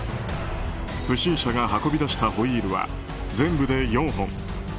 不審者が運び出したホイールは全部で４本。